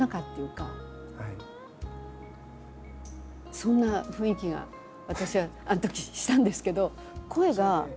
そんな雰囲気が私はあのときしたんですけど。